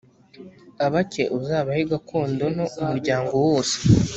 abake uzabahe gakondo nto umuryango wose